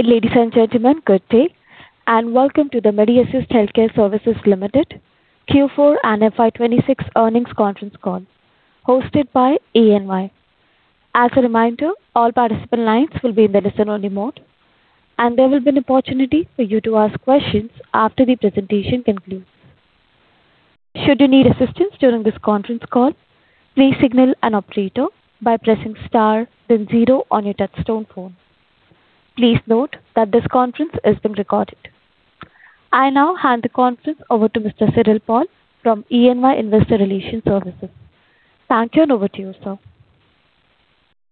Ladies and gentlemen, good day, welcome to the Medi Assist Healthcare Services Limited Q4 and FY 2026 earnings conference call hosted by EY. As a reminder, all participant lines will be in listen-only mode, and there will be an opportunity for you to ask questions after the presentation concludes. Should you need assistance during this conference call, please signal an operator by pressing star then zero on your touch-tone phone. Please note that this conference is being recorded. I now hand the conference over to Mr. Cyril Paul from EY Investor Relations Services. Cyril, over to you, sir.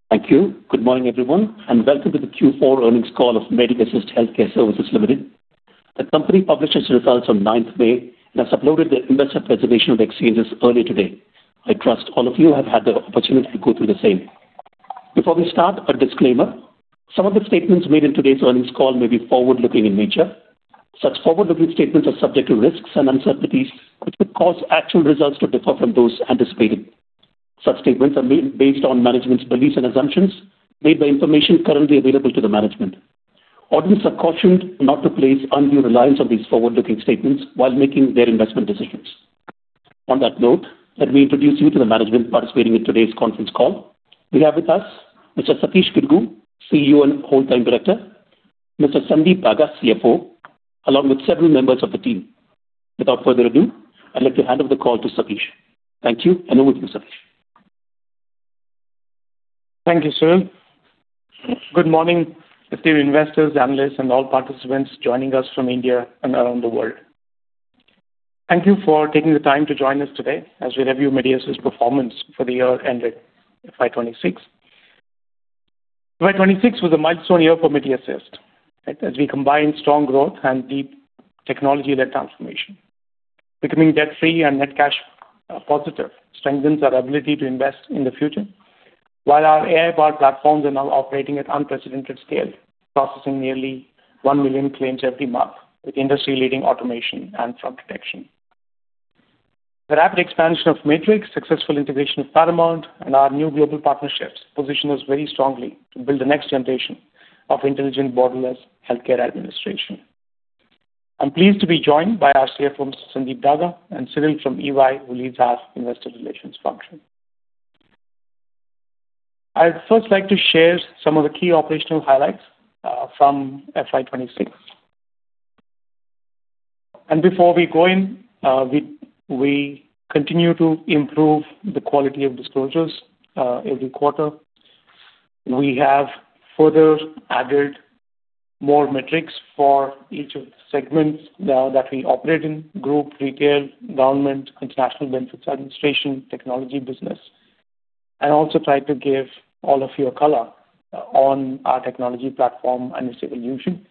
Thank you. Good morning, everyone, welcome to the Q4 earnings call of Medi Assist Healthcare Services Limited. The company published its results on ninth May and has uploaded the investor presentation on exchanges early today. I trust all of you have had the opportunity to go through the same. Before we start, a disclaimer. Some of the statements made in today's earnings call may be forward-looking in nature. Such forward-looking statements are subject to risks and uncertainties which could cause actual results to differ from those anticipated. Such statements are based on management's beliefs and assumptions made by information currently available to the management. Audience are cautioned not to place undue reliance on these forward-looking statements while making their investment decisions. On that note, let me introduce you to the management participating in today's conference call. We have with us Mr. Satish Gidugu, Chief Executive Officer and Whole Time Director, Mr. Sandeep Daga, CFO, along with several members of the team. Without further ado, I'd like to hand over the call to Satish. Thank you, over to you, Satish. Thank you, Cyril. Good morning, esteemed investors, analysts, and all participants joining us from India and around the world. Thank you for taking the time to join us today as we review Medi Assist's performance for the year ended FY 2026. FY 2026 was a milestone year for Medi Assist, right, as we combine strong growth and deep technology-led transformation. Becoming debt-free and net cash positive strengthens our ability to invest in the future. While our AI-powered platforms are now operating at unprecedented scale, processing nearly 1 million claims every month with industry-leading automation and fraud detection. The rapid expansion of MAtrix, successful integration of Paramount, and our new global partnerships position us very strongly to build the next generation of intelligent borderless healthcare administration. I'm pleased to be joined by our CFO, Mr. Sandeep Daga, and Cyril from EY, who leads our investor relations function. I'd first like to share some of the key operational highlights from FY 2026. Before we go in, we continue to improve the quality of disclosures every quarter. We have further added more metrics for each of the segments now that we operate in group, retail, government, international benefits administration, technology business, and also try to give all of you a color on our technology platform and its evolution.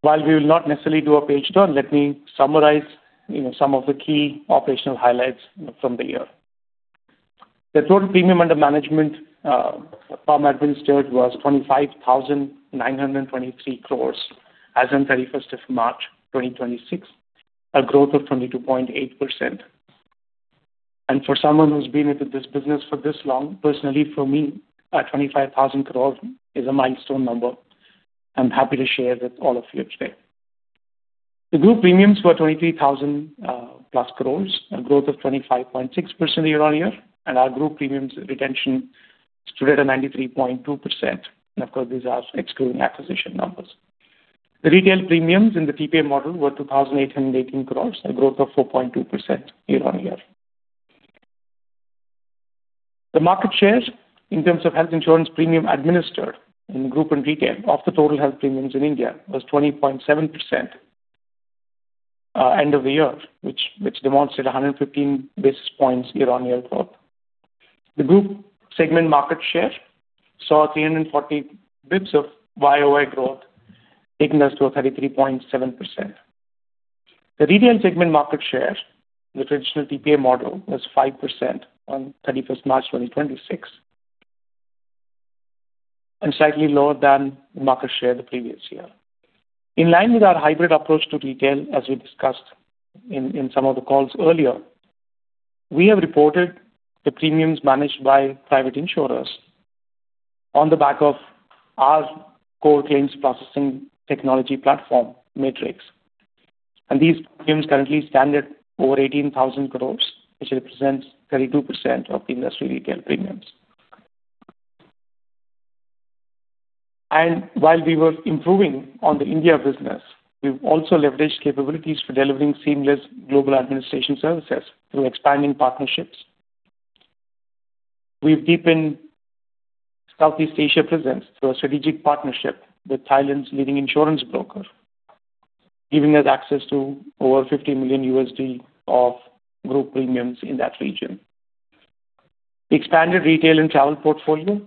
While we will not necessarily do a page turn, let me summarize, you know, some of the key operational highlights from the year. The total Premium Under Management from administered was 25,923 crores as on March 31st, 2026, a growth of 22.8%. For someone who's been into this business for this long, personally for me, 25,000 crore is a milestone number I'm happy to share with all of you today. The group premiums were 23,000+ crores, a growth of 25.6% year-on-year, and our group premiums retention stood at 93.2%. Of course, these are excluding acquisition numbers. The retail premiums in the TPA model were 2,818 crores, a growth of 4.2% year-on-year. The market share in terms of health insurance premium administered in group and retail of the total health premiums in India was 20.7% end of the year, which amounts to 115 basis points year-on-year growth. The group segment market share saw 340 basis points of YoY growth, taking us to a 33.7%. The retail segment market share in the traditional TPA model was 5% on March 31st, 2026. Slightly lower than market share the previous year. In line with our hybrid approach to retail, as we discussed in some of the calls earlier, we have reported the premiums managed by private insurers on the back of our core claims processing technology platform, MAtrix. These premiums currently stand at over 18,000 crores, which represents 32% of industry retail premiums. While we were improving on the India business, we've also leveraged capabilities for delivering seamless global administration services through expanding partnerships. We've deepened Southeast Asia presence through a strategic partnership with Thailand's leading insurance broker, giving us access to over $50 million of group premiums in that region. We expanded retail and travel portfolio,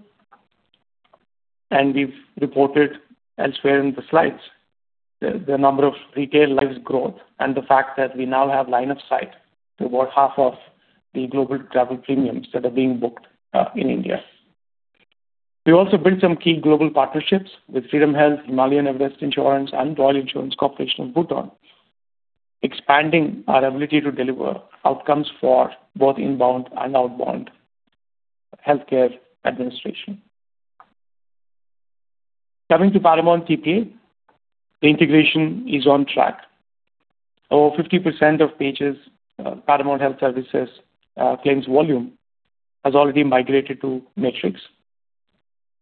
we've reported elsewhere in the slides the number of retail lives growth and the fact that we now have line of sight to about half of the global travel premiums that are being booked in India. We also built some key global partnerships with Freedom Health, Himalayan Everest Insurance, and Royal Insurance Corporation of Bhutan. Expanding our ability to deliver outcomes for both inbound and outbound healthcare administration. Coming to Paramount TPA, the integration is on track. Over 50% of PHS, Paramount Health Services claims volume has already migrated to MAtrix.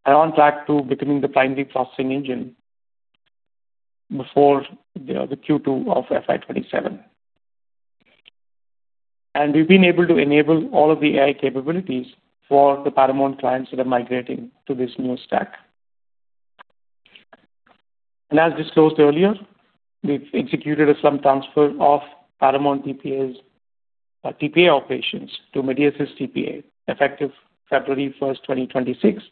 We are on track to becoming the primary processing engine before Q2 of FY 2027. We've been able to enable all of the AI capabilities for the Paramount clients that are migrating to this new stack. As disclosed earlier, we've executed some transfer of Paramount TPA's TPA operations to Medi Assist's TPA, effective February 1st, 2026.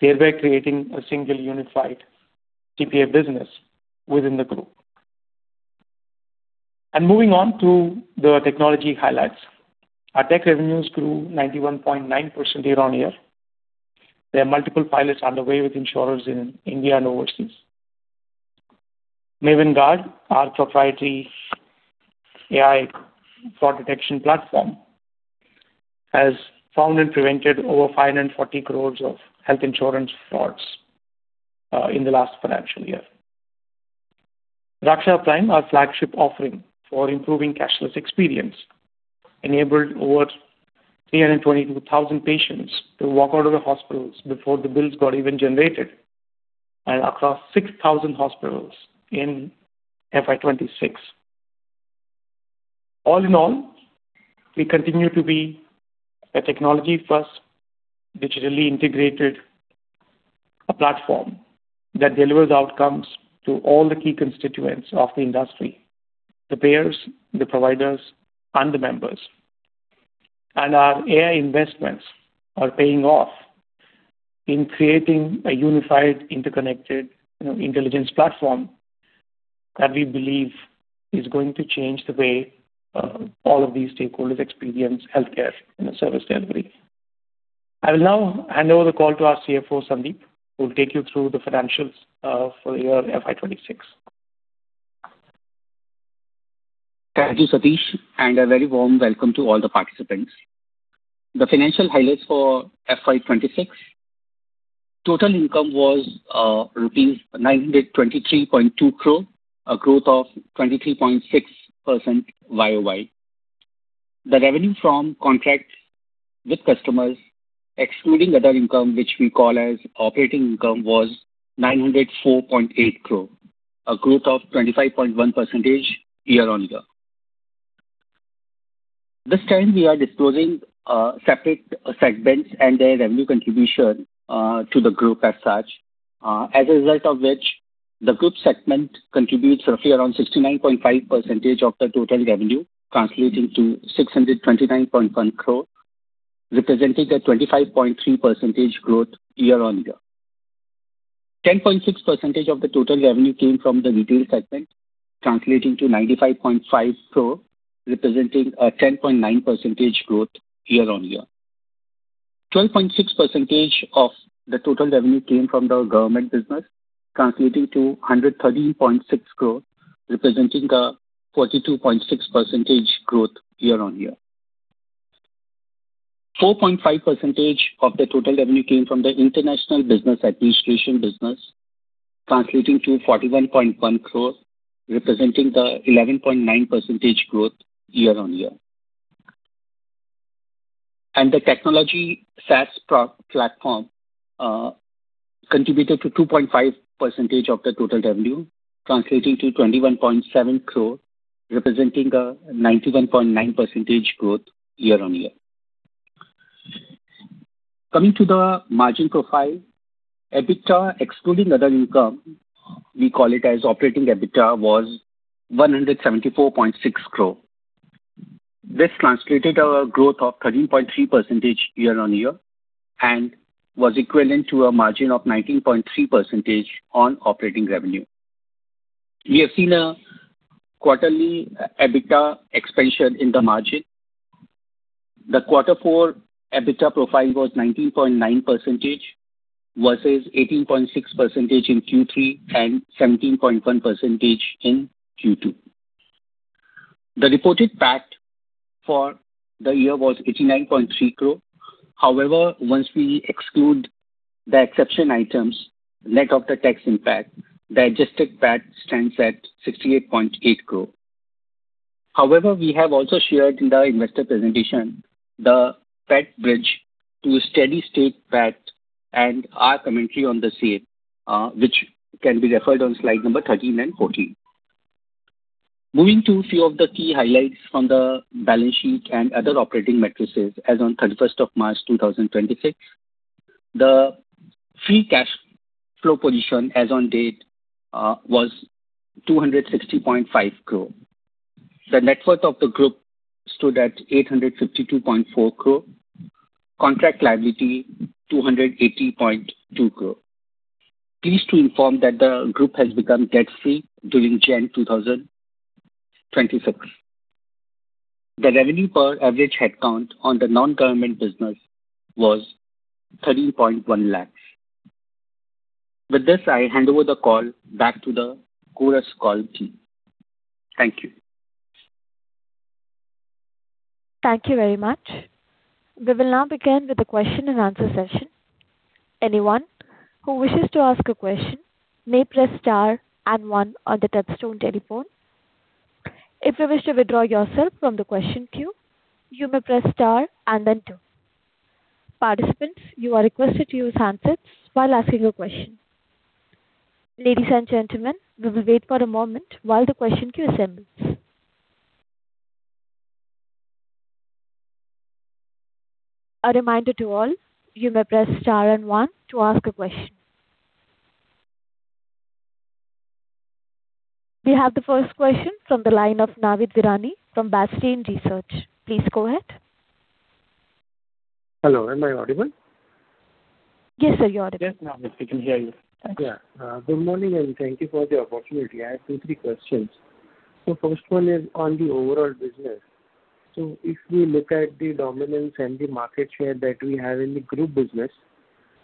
Thereby creating a single unified TPA business within the group. Moving on to the technology highlights. Our tech revenues grew 91.9% year-on-year. There are multiple pilots underway with insurers in India and overseas. MAven Guard, our proprietary AI fraud detection platform, has found and prevented over 540 crores of health insurance frauds in the last financial year. Raksha Prime, our flagship offering for improving cashless experience, enabled over 322,000 patients to walk out of the hospitals before the bills got even generated and across 6,000 hospitals in FY 2026. All in all, we continue to be a technology-first, digitally integrated, platform that delivers outcomes to all the key constituents of the industry, the payers, the providers and the members. Our AI investments are paying off in creating a unified, interconnected, you know, intelligence platform that we believe is going to change the way all of these stakeholders experience healthcare in the service delivery. I will now hand over the call to our CFO, Sandeep, who will take you through the financials for the year FY 2026. Thank you, Satish, and a very warm welcome to all the participants. The financial highlights for FY 2026. Total income was rupees 923.2 crore, a growth of 23.6% YoY. The revenue from contracts with customers, excluding other income, which we call as operating income, was 904.8 crore, a growth of 25.1% year-on-year. This time we are disclosing separate segments and their revenue contribution to the group as such. As a result of which, the group segment contributes roughly around 69.5% of the total revenue, translating to 629.1 crore, representing a 25.3% growth year-on-year. 10.6% of the total revenue came from the retail segment, translating to 95.5 crore, representing a 10.9% growth year-on-year. 12.6% of the total revenue came from the government business, translating to 113.6 crore, representing a 42.6% growth year-on-year. 4.5% of the total revenue came from the international business administration business, translating to 41.1 crore, representing the 11.9% growth year-on-year. The technology SaaS platform contributed to 2.5% of the total revenue, translating to 21.7 crore, representing a 91.9% growth year-on-year. Coming to the margin profile, EBITDA, excluding other income, we call it as operating EBITDA, was 174.6 crore. This translated a growth of 13.3% YoY and was equivalent to a margin of 19.3% on operating revenue. We have seen a quarterly EBITDA expansion in the margin. The Q4 EBITDA profile was 19.9% versus 18.6% in Q3 and 17.1% in Q2. The reported PAT for the year was 89.3 crore. Once we exclude the exception items net of the tax impact, the adjusted PAT stands at 68.8 crore. We have also shared in the investor presentation the PAT bridge to a steady state PAT and our commentary on the same, which can be referred on slide number 13 and 14. Moving to few of the key highlights from the balance sheet and other operating metrics as on March 31st, 2026. The free cash flow position as on date was 260.5 crore. The net worth of the group stood at 852.4 crore. Contract liability, 280.2 crore. Pleased to inform that the group has become debt-free during January 2027. The revenue per average headcount on the non-government business was 3.1 lakhs. With this, I hand over the call back to the Chorus Call team. Thank you. Thank you very much. We will now begin with the question-and-answer session. Anyone who wishes to ask a question may press star and one on the touchtone telephone. If you wish to withdraw yourself from the question queue, you may press star and then two. Participants, you are requested to use handsets while asking your question. Ladies and gentlemen, we will wait for a moment while the question queue assembles. A reminder to all, you may press star and one to ask a question. We have the first question from the line of Navid Virani from Bastion Research. Please go ahead. Hello, am I audible? Yes, sir, you're audible. Yes, Navid, we can hear you. Yeah. Good morning, and thank you for the opportunity. I have two, three questions. The first one is on the overall business. If we look at the dominance and the market share that we have in the group business,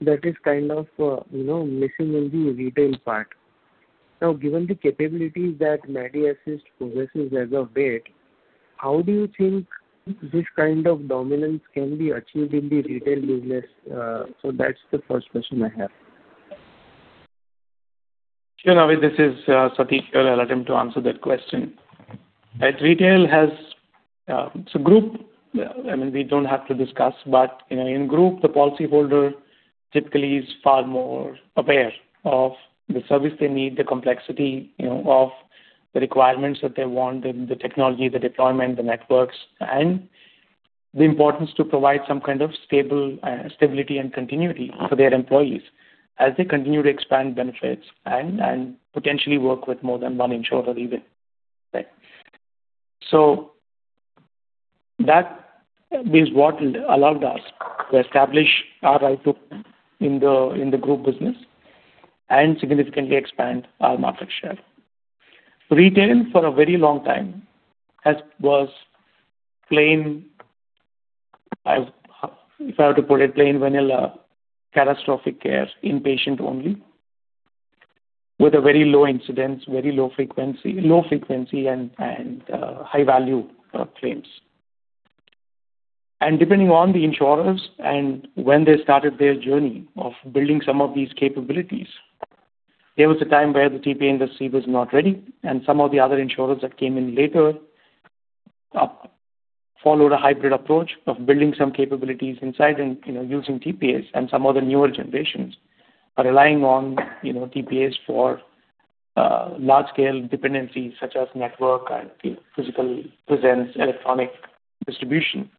that is kind of, you know, missing in the retail part. Given the capabilities that Medi Assist possesses as of date, how do you think this kind of dominance can be achieved in the retail business? That's the first question I have. Sure, Navid. This is Satish here. I'll attempt to answer that question. Right. I mean, we don't have to discuss, but, you know, in group, the policyholder typically is far more aware of the service they need, the complexity, you know, of the requirements that they want and the technology, the deployment, the networks, and the importance to provide some kind of stable stability and continuity for their employees as they continue to expand benefits and potentially work with more than one insurer even. Right. That is what allowed us to establish our right to-- In the group business and significantly expand our market share. Retail for a very long time was plain, if I were to put it, plain vanilla catastrophic care, inpatient only, with a very low incidence, very low frequency and high-value claims. Depending on the insurers and when they started their journey of building some of these capabilities, there was a time where the TPA industry was not ready, and some of the other insurers that came in later followed a hybrid approach of building some capabilities inside and, you know, using TPAs. Some of the newer generations are relying on, you know, TPAs for large-scale dependencies such as network and physical presence, electronic distribution.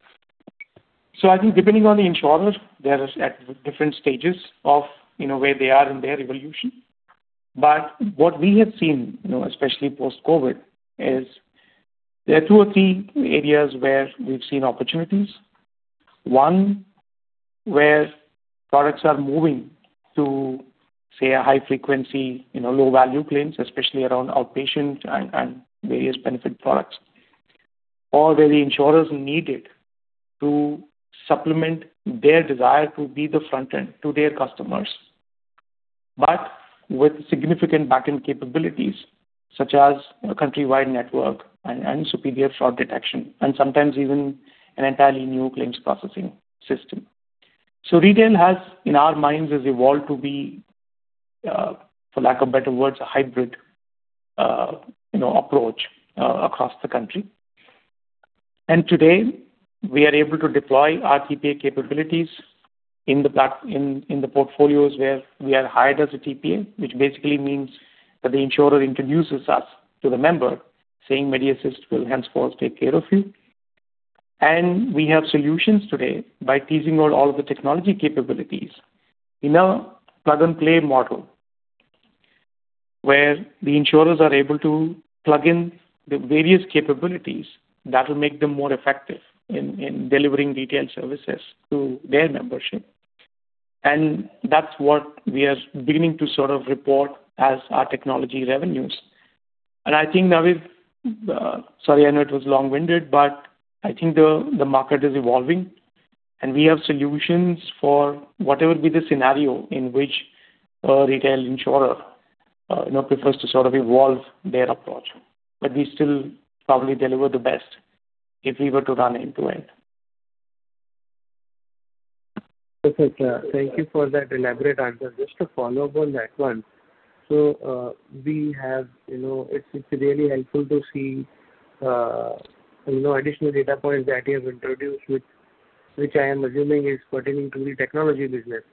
I think depending on the insurers, they are at different stages of, you know, where they are in their evolution. What we have seen, you know, especially post-COVID, is there are two or three areas where we've seen opportunities. One, where products are moving to, say, a high frequency, you know, low-value claims, especially around outpatient and various benefit products. Where the insurers need it to supplement their desire to be the front end to their customers, but with significant back-end capabilities such as a countrywide network and superior fraud detection, and sometimes even an entirely new claims processing system. Retail has, in our minds, evolved to be for lack of better words, a hybrid, you know, approach across the country. Today, we are able to deploy our TPA capabilities in the portfolios where we are hired as a TPA, which basically means that the insurer introduces us to the member saying Medi Assist will henceforth take care of you. We have solutions today by teasing out all the technology capabilities in a plug-and-play model, where the insurers are able to plug in the various capabilities that will make them more effective in delivering retail services to their membership. That's what we are beginning to sort of report as our technology revenues. I think, Navid, sorry, I know it was long-winded, but I think the market is evolving and we have solutions for whatever would be the scenario in which a retail insurer, you know, prefers to sort of evolve their approach. We still probably deliver the best if we were to run end-to-end. Okay. Thank you for that elaborate answer. Just a follow-up on that one. We have, you know-- It's really helpful to see, you know, additional data points that you have introduced which I am assuming is pertaining to the technology business.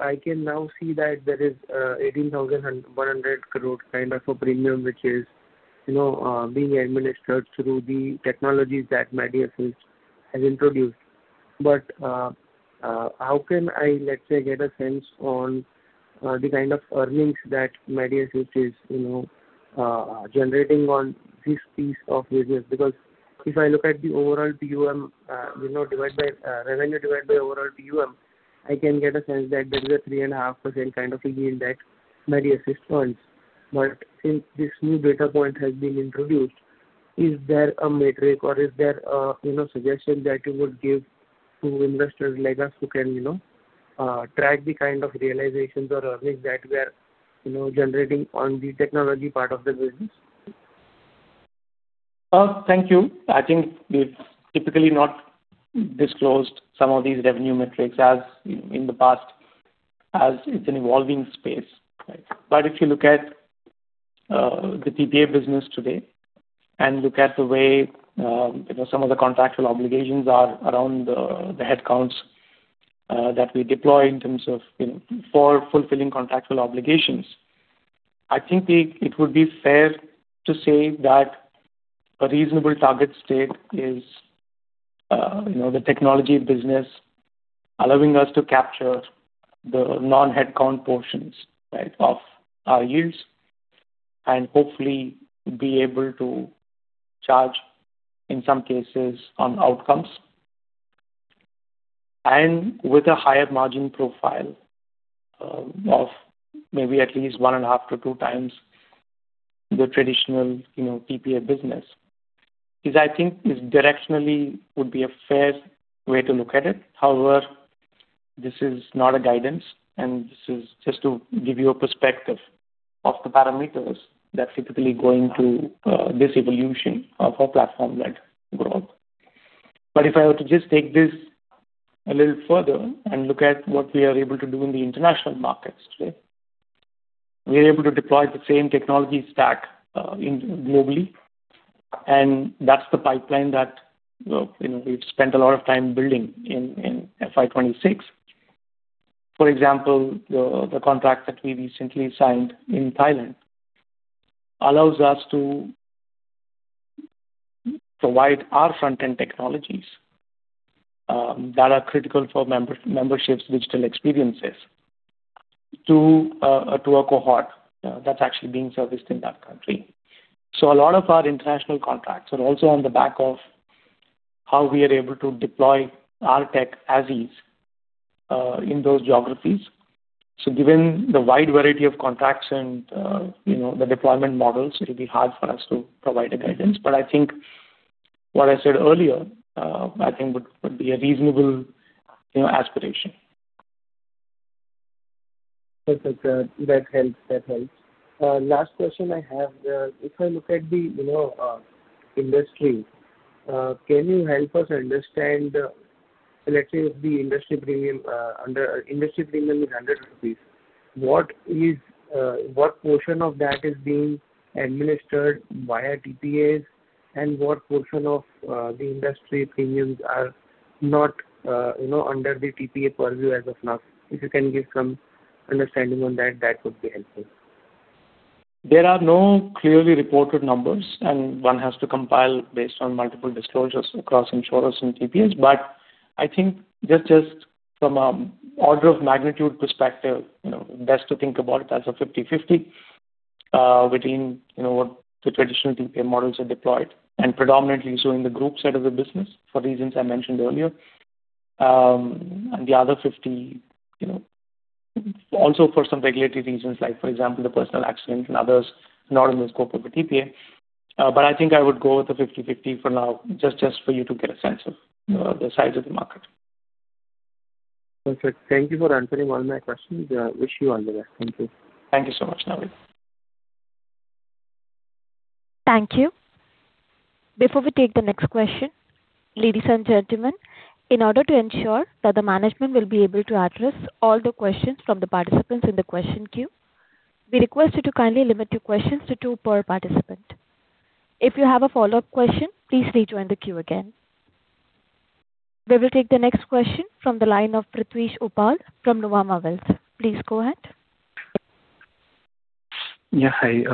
I can now see that there is 18,100 crore kind of a premium which is, you know, being administered through the technologies that Medi Assist has introduced. How can I, let's say, get a sense on the kind of earnings that Medi Assist is, you know, generating on this piece of business? If I look at the overall PUM, you know, divide by revenue divide by overall PUM, I can get a sense that there is a 3.5% kind of a yield that Medi Assist earns. Since this new data point has been introduced, is there a metric or is there a, you know, suggestion that you would give to investors like us who can, you know, track the kind of realizations or earnings that we are, you know, generating on the technology part of the business? Thank you. I think we've typically not disclosed some of these revenue metrics as in the past as it's an evolving space, right? If you look at the TPA business today and look at the way, you know, some of the contractual obligations are around the headcounts that we deploy in terms of, you know, for fulfilling contractual obligations. I think it would be fair to say that a reasonable target state is, you know, the technology business allowing us to capture the non-headcount portions, right, of our yields, and hopefully be able to charge in some cases on outcomes. With a higher margin profile of maybe at least 1.5x-2x the traditional, you know, TPA business is I think is directionally would be a fair way to look at it. However, this is not a guidance, and this is just to give you a perspective of the parameters that typically go into this evolution of our platform-led growth. If I were to just take this a little further and look at what we are able to do in the international markets today. We are able to deploy the same technology stack in globally, and that's the pipeline that, you know, we've spent a lot of time building in FY 2026. For example, the contract that we recently signed in Thailand allows us to provide our front-end technologies that are critical for memberships digital experiences to a cohort that's actually being serviced in that country. A lot of our international contracts are also on the back of how we are able to deploy our tech as is, in those geographies. Given the wide variety of contracts and, you know, the deployment models, it'll be hard for us to provide a guidance. I think what I said earlier, I think would be a reasonable, you know, aspiration. Okay. That helps. That helps. Last question I have. If I look at the, you know, industry, can you help us understand, let’s say if the industry premium is 100 rupees, what portion of that is being administered via TPAs, and what portion of the industry premiums are not, you know, under the TPA purview as of now? If you can give some understanding on that would be helpful. There are no clearly reported numbers, and one has to compile based on multiple disclosures across insurers and TPAs. I think just from an order of magnitude perspective, you know, best to think about it as a 50/50 between, you know, what the traditional TPA models have deployed, and predominantly so in the group side of the business for reasons I mentioned earlier. The other 50, you know, also for some regulatory reasons, like for example, the personal accident and others not in the scope of a TPA. I think I would go with the 50/50 for now, just for you to get a sense of the size of the market. Okay. Thank you for answering all my questions. Wish you all the best. Thank you. Thank you so much, Navid. Thank you. Before we take the next question, ladies and gentlemen, in order to ensure that the management will be able to address all the questions from the participants in the question queue, we request you to kindly limit your questions to two per participant. If you have a follow-up question, please rejoin the queue again. We will take the next question from the line of Prithvish Uppal from Nuvama Wealth. Please go ahead. Hi,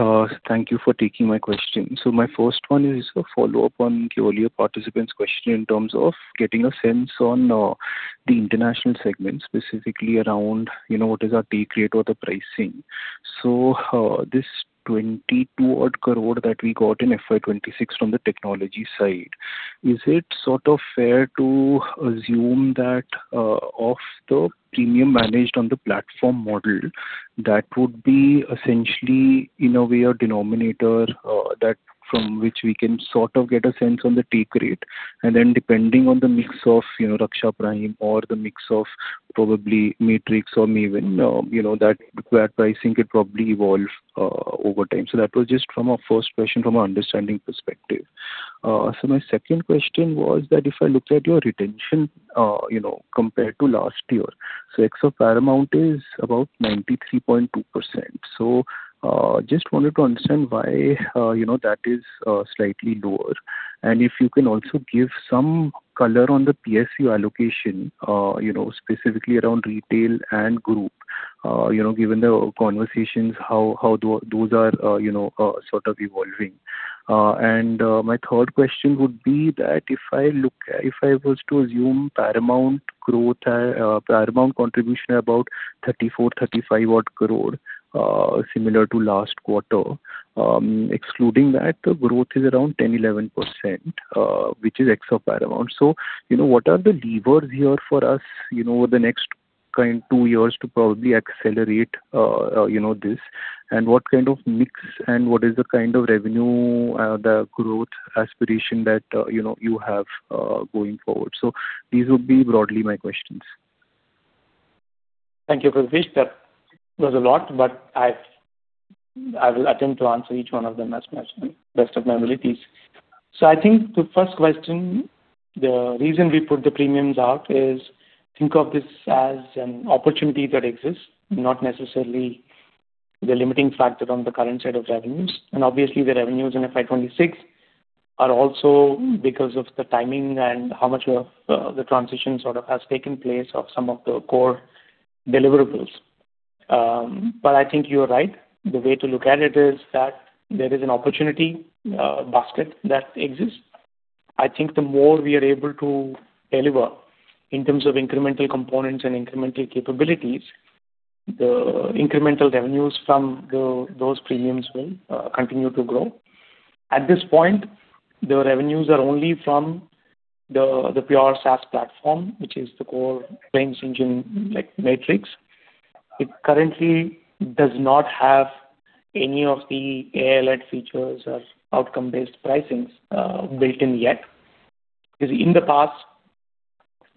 thank you for taking my question. My first one is a follow-up on the earlier participant's question in terms of getting a sense on the international segment, specifically around, you know, what is our take rate or the pricing. This 22 crore that we got in FY 2026 from the technology side, is it sort of fair to assume that of the premium managed on the platform model, that would be essentially in a way a denominator that from which we can sort of get a sense on the take rate? Depending on the mix of, you know, Raksha Prime or the mix of probably MAtrix or even, you know, that pricing could probably evolve over time. That was just from a first question from an understanding perspective. My second question was that if I looked at your retention, you know, compared to last year. Ex of Paramount is about 93.2%. Just wanted to understand why, you know, that is slightly lower. If you can also give some color on the PSU allocation, you know, specifically around retail and group. You know, given the conversations, how those are, you know, sort of evolving. My third question would be that if I was to assume Paramount growth, Paramount contribution about 34 crore-35 crore, similar to last quarter. Excluding that the growth is around 10%-11%, which is ex of Paramount. You know, what are the levers here for us, you know, over the next two years to probably accelerate, you know, this. What kind of mix and what is the kind of revenue, the growth aspiration that, you know, you have, going forward? These would be broadly my questions. Thank you, Prithvish. That was a lot, but I will attempt to answer each one of them as best of my abilities. I think the first question, the reason we put the premiums out is think of this as an opportunity that exists, not necessarily the limiting factor on the current set of revenues. Obviously, the revenues in FY 2026 are also because of the timing and how much of the transition sort of has taken place of some of the core deliverables. I think you are right. The way to look at it is that there is an opportunity basket that exists. The more we are able to deliver in terms of incremental components and incremental capabilities, the incremental revenues from those premiums will continue to grow. At this point, the revenues are only from the pure SaaS platform, which is the core claims engine like MAtrix. It currently does not have any of the AI-led features or outcome-based pricings built in yet. 'Cause in the past,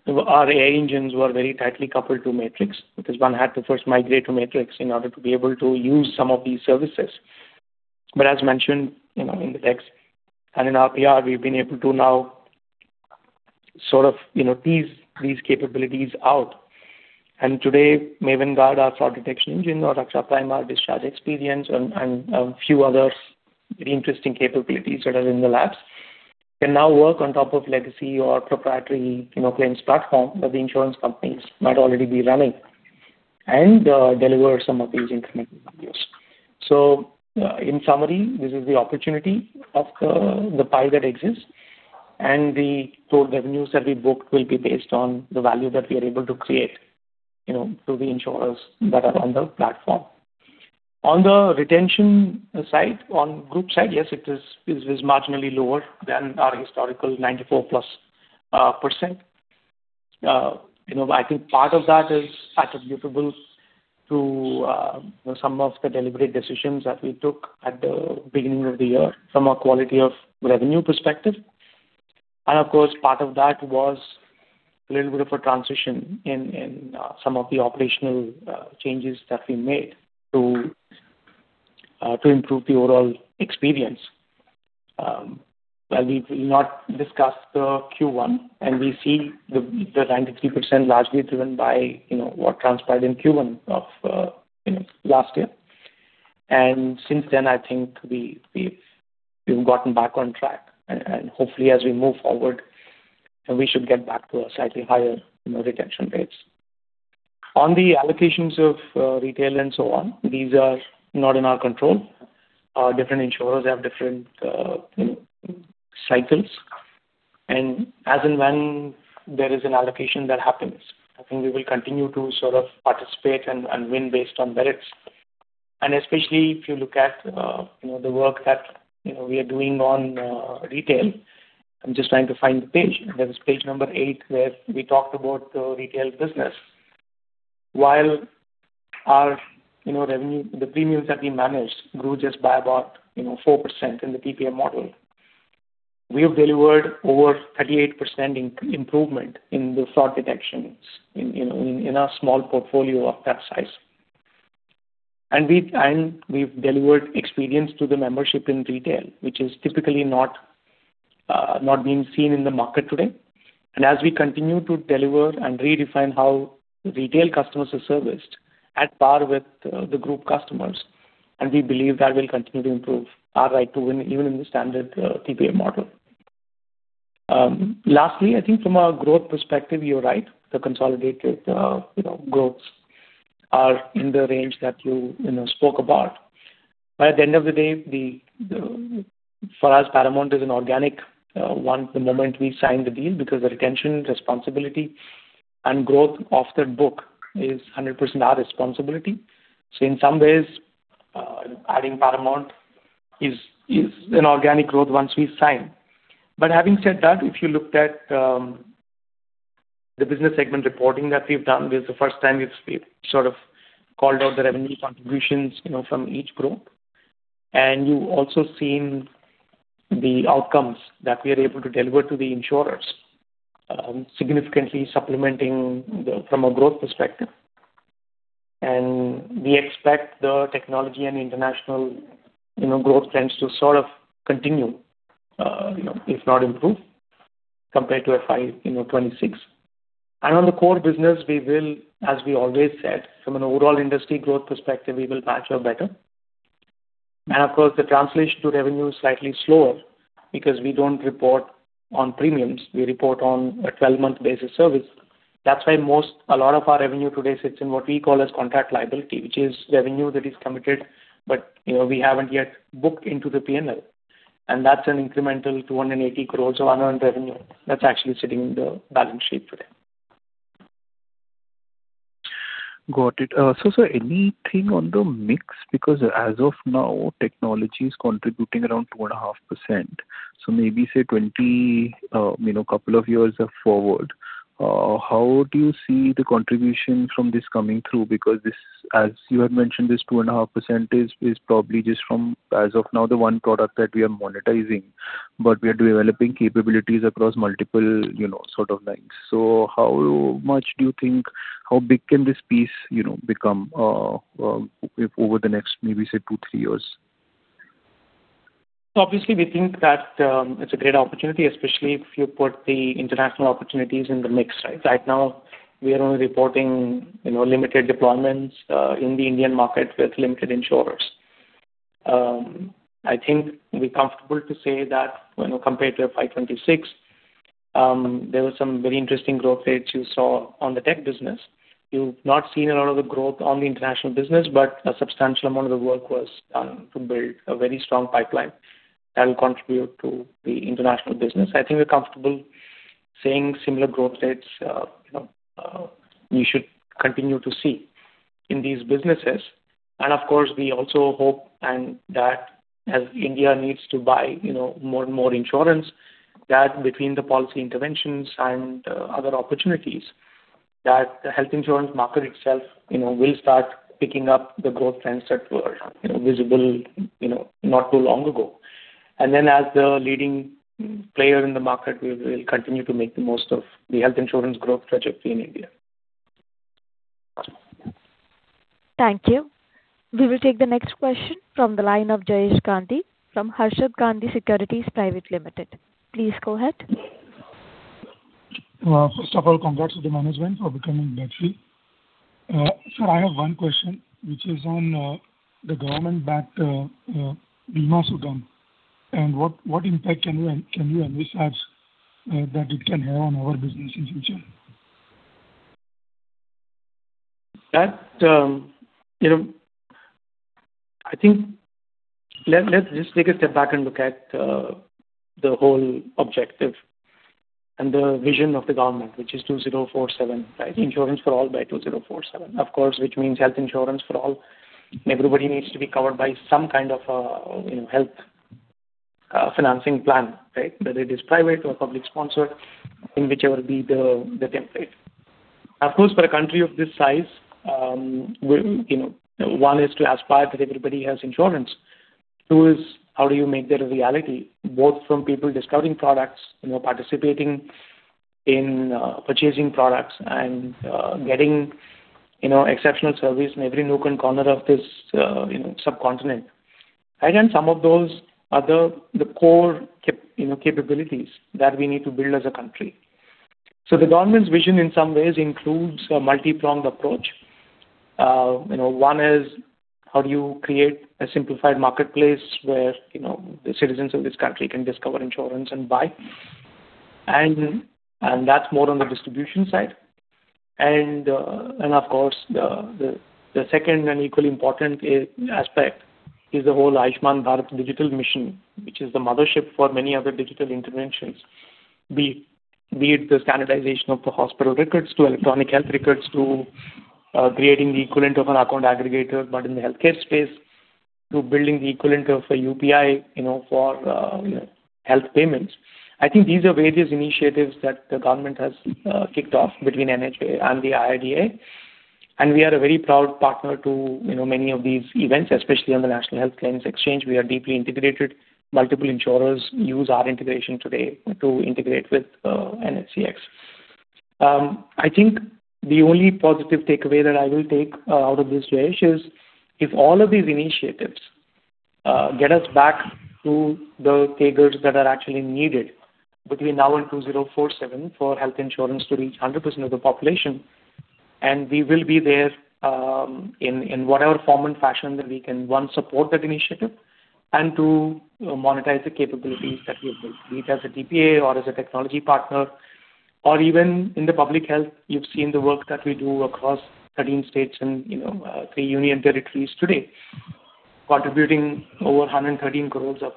our AI engines were very tightly coupled to MAtrix because one had to first migrate to MAtrix in order to be able to use some of these services. But as mentioned, you know, in the decks and in our PR, we've been able to now sort of, you know, tease these capabilities out. Today, MAven Guard, our fraud detection engine or Raksha Prime, our discharge experience and a few other very interesting capabilities that are in the labs can now work on top of legacy or proprietary, you know, claims platform that the insurance companies might already be running and deliver some of these incremental values. In summary, this is the opportunity of the pie that exists, and the total revenues that we booked will be based on the value that we are able to create, you know, to the insurers that are on the platform. On the retention side, on group side, yes, it is marginally lower than our historical 94+%. you know, I think part of that is attributable to some of the deliberate decisions that we took at the beginning of the year from a quality of revenue perspective. Of course, part of that was a little bit of a transition in some of the operational changes that we made to improve the overall experience. While we've not discussed the Q1 and we see the 93% largely driven by, you know, what transpired in Q1 of, you know, last year. Since then, I think we've gotten back on track. Hopefully, as we move forward, we should get back to a slightly higher, you know, retention rates. On the allocations of retail and so on, these are not in our control. Different insurers have different, you know, cycles. As and when there is an allocation that happens, I think we will continue to sort of participate and win based on merits. Especially if you look at, you know, the work that, you know, we are doing on retail. I'm just trying to find the page. There was page number eight where we talked about the retail business. While our, you know, the premiums that we managed grew just by about, you know, 4% in the TPA model. We have delivered over 38% improvement in the fraud detections in, you know, in our small portfolio of that size. We've delivered experience to the membership in retail, which is typically not being seen in the market today. As we continue to deliver and redefine how retail customers are serviced at par with the group customers, and we believe that will continue to improve our right to win even in the standard TPA model. Lastly, I think from a growth perspective, you're right. The consolidated, you know, growths are in the range that you know, spoke about. At the end of the day, for us, Paramount is an organic one the moment we sign the deal because the retention responsibility and growth of that book is 100% our responsibility. In some ways, adding Paramount is an organic growth once we sign. Having said that, if you looked at the business segment reporting that we've done, this is the first time we've sort of called out the revenue contributions, you know, from each group. You've also seen the outcomes that we are able to deliver to the insurers, significantly supplementing from a growth perspective. We expect the technology and international, you know, growth trends to sort of continue, you know, if not improve compared to FY, you know, 2026. On the core business, we will, as we always said, from an overall industry growth perspective, we will match or better. Of course, the translation to revenue is slightly slower because we don't report on premiums. We report on a 12-month basis service. That's why a lot of our revenue today sits in what we call as contract liability, which is revenue that is committed, but, you know, we haven't yet booked into the P&L. That's an incremental 280 crores of annual revenue that's actually sitting in the balance sheet today. Got it. Sir, anything on the mix? As of now, technology is contributing around 2.5%. Maybe say 20, you know, couple of years forward, how do you see the contribution from this coming through? This, as you had mentioned, this 2.5% is probably just from, as of now, the one product that we are monetizing, but we are developing capabilities across multiple, you know, sort of lines. How much do you think how big can this piece, you know, become over the next maybe, say, two, three years? We think that it's a great opportunity, especially if you put the international opportunities in the mix, right? We are only reporting, you know, limited deployments in the Indian market with limited insurers. I think we're comfortable to say that, you know, compared to FY 2026, there were some very interesting growth rates you saw on the tech business. You've not seen a lot of the growth on the international business, a substantial amount of the work was done to build a very strong pipeline that will contribute to the international business. I think we're comfortable saying similar growth rates, you know, we should continue to see in these businesses. Of course, we also hope and that as India needs to buy, you know, more and more insurance, that between the policy interventions and other opportunities, that the health insurance market itself, you know, will start picking up the growth trends that were, you know, visible, you know, not too long ago. Then as the leading player in the market, we will continue to make the most of the health insurance growth trajectory in India. Thank you. We will take the next question from the line of Jayesh Gandhi from Harshad Gandhi Securities Private Limited. Please go ahead. First of all, congrats to the management for becoming debt-free. I have one question, which is on the government-backed Bima Sugam. What impact can you envisage that it can have on our business in future? That, you know, I think let's just take a step back and look at the whole objective and the vision of the government, which is 2047, right? Insurance for all by 2047. Of course, which means health insurance for all. Everybody needs to be covered by some kind of a, you know, health financing plan, right? Whether it is private or public sponsored in whichever be the template. Of course, for a country of this size, you know, one is to aspire that everybody has insurance. Two is how do you make that a reality, both from people discovering products, you know, participating in purchasing products and getting, you know, exceptional service in every nook and corner of this, you know, subcontinent. Some of those are the core, you know, capabilities that we need to build as a country. The government's vision in some ways includes a multi-pronged approach. You know, one is how do you create a simplified marketplace where, you know, the citizens of this country can discover insurance and buy. That's more on the distribution side. Of course, the second and equally important aspect is the whole Ayushman Bharat Digital Mission, which is the mothership for many other digital interventions. Be it the standardization of the hospital records to electronic health records, to creating the equivalent of an account aggregator, but in the healthcare space, to building the equivalent of a UPI, you know, for, you know, health payments. I think these are various initiatives that the government has kicked off between NHA and the IRDAI. We are a very proud partner to, you know, many of these events, especially on the National Health Claims Exchange. We are deeply integrated. Multiple insurers use our integration today to integrate with NHCX. I think the only positive takeaway that I will take out of this, Jayesh, is if all of these initiatives get us back to the takers that are actually needed between now and 2047 for health insurance to reach 100% of the population. And we will be there in whatever form and fashion that we can, one, support that initiative and, two, you know, monetize the capabilities that we have built, be it as a TPA or as a technology partner or even in the public health. You've seen the work that we do across 13 states and, you know, three union territories today, contributing over 113 crores of.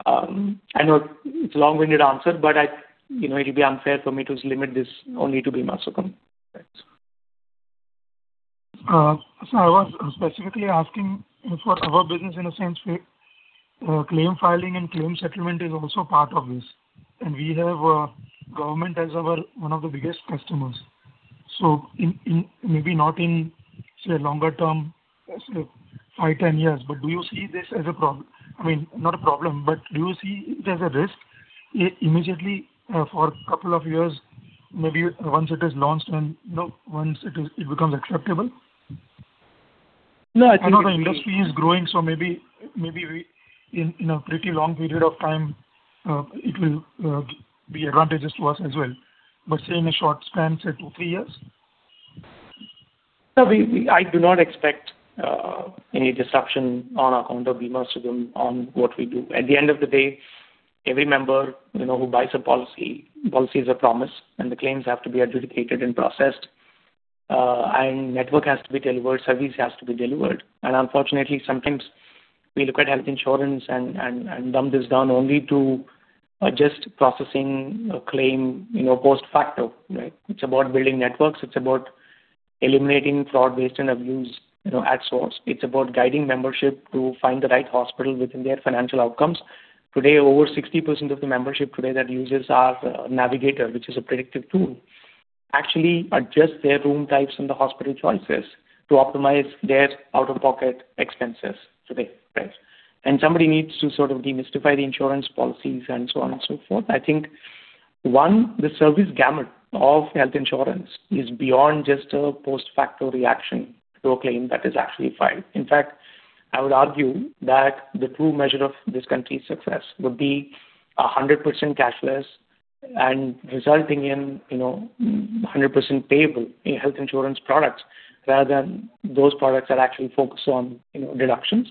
[inaudible] I know it's a long-winded answer, but you know, it'll be unfair for me to limit this only to Bima Sugam. Thanks. I was specifically asking for our business in a sense where claim filing and claim settlement is also part of this. We have government as our one of the biggest customers. In maybe not in, say, longer term, say five, 10 years, but do you see this as a problem? I mean, not a problem, but do you see it as a risk immediately for two years, maybe once it is launched and, you know, once it becomes acceptable? No, I think- I know the industry is growing, so maybe we in a pretty long period of time, it will be advantageous to us as well. Say in a short span, say two, three years. No, I do not expect any disruption on account of Bima Sugam on what we do. At the end of the day, every member, you know, who buys a policy is a promise, and the claims have to be adjudicated and processed. Network has to be delivered, service has to be delivered. Unfortunately, sometimes we look at health insurance and dumb this down only to just processing a claim, you know, post-facto, right? It's about building networks. It's about eliminating fraud, waste, and abuse, you know, at source. It's about guiding membership to find the right hospital within their financial outcomes. Today, over 60% of the membership today that uses our MAven Navigator, which is a predictive tool, actually adjust their room types and the hospital choices to optimize their out-of-pocket expenses today, right? Somebody needs to sort of demystify the insurance policies and so on and so forth. I think, one, the service gamut of health insurance is beyond just a post-facto reaction to a claim that is actually filed. In fact, I would argue that the true measure of this country's success would be a 100% cashless and resulting in, you know, 100% payable in health insurance products rather than those products that actually focus on, you know, deductions.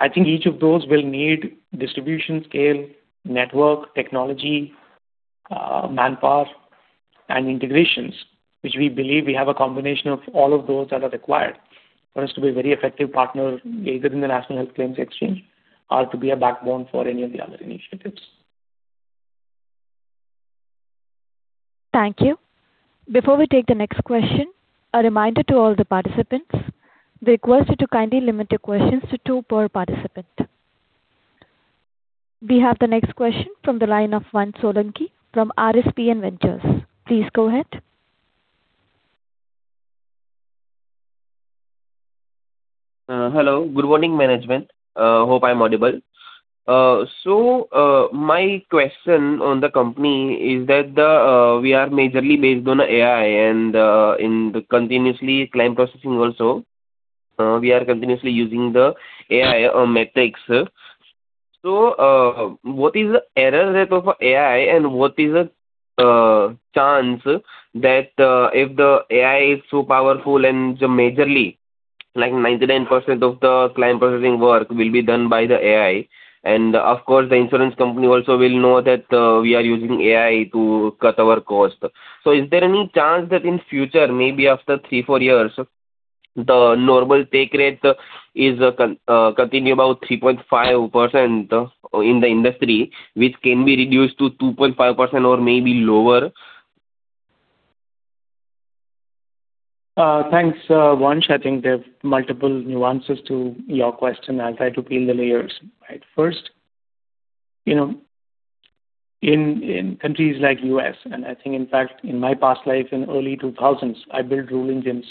I think each of those will need distribution scale, network, technology, manpower and integrations, which we believe we have a combination of all of those that are required for us to be a very effective partner either in the National Health Claims Exchange or to be a backbone for any of the other initiatives. Thank you. Before we take the next question, a reminder to all the participants. We request you to kindly limit your questions to two per participant. We have the next question from the line of Vansh Solanki from RSPN Ventures. Please go ahead. Hello. Good morning, management. Hope I'm audible. My question on the company is that we are majorly based on AI and in the continuously claim processing also, we are continuously using the AI MAtrix. What is the error rate of AI and what is the chance that if the AI is so powerful and majorly, like 99% of the claim processing work will be done by the AI. Of course, the insurance company also will know that we are using AI to cut our cost. Is there any chance that in future, maybe after three, four years, the normal take rate is continue about 3.5% in the industry, which can be reduced to 2.5% or maybe lower? Thanks, Vansh. I think there are multiple nuances to your question. I'll try to peel the layers. Right. First, you know, in countries like U.S., and I think, in fact, in my past life in early 2000s, I built rule engines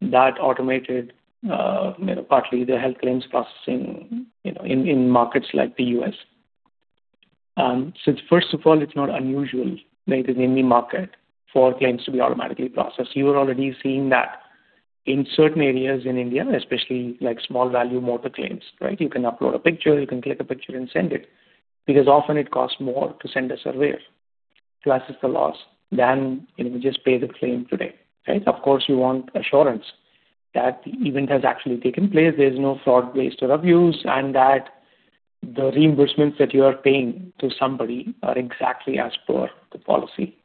that automated, you know, partly the health claims processing, you know, in markets like the U.S. First of all, it's not unusual, right, in any market for claims to be automatically processed. You are already seeing that in certain areas in India, especially like small value motor claims, right? You can upload a picture, you can click a picture and send it, because often it costs more to send a surveyor to assess the loss than, you know, just pay the claim today, right? Of course, you want assurance that the event has actually taken place, there's no fraud, waste or abuse, and that the reimbursements that you are paying to somebody are exactly as per the policy.